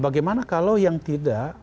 bagaimana kalau yang tidak